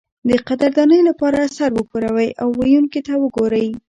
د قدردانۍ لپاره سر وښورئ او ویونکي ته وګورئ.